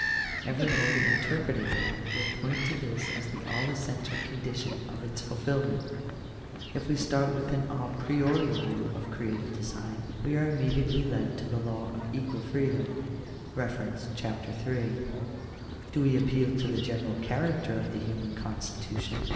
Every mode of interpreting that will points to this as the all essential condition of its fulfilment. ♦ If we start with an a priori view of creative design, we are immediately led to the law of equal freedom (Chap. III). Do we appeal to the general character of the human constitution